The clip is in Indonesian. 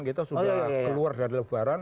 kita sudah keluar dari lebaran